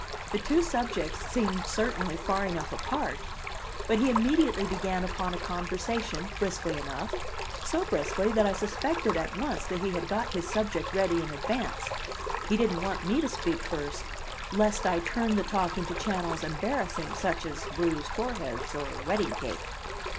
The two subjects seemed certainly far enough apart! But he immediately began upon a conversation briskly enough so briskly that I suspected at once he had got his subject ready in advance; he didn't want me to speak first, lest I turn the talk into channels embarrassing, such as bruised foreheads or wedding cake.